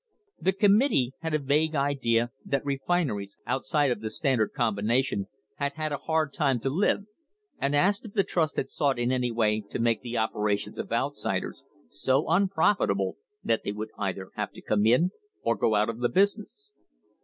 * The committee had a vague idea that refineries outside of the Standard Combination had had a hard time to live, and asked if the trust had sought in any way to make the opera tions of outsiders so unprofitable that they would either have to come in or go out of the business.